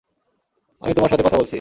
আমি তোমার সাথে কথা বলছি।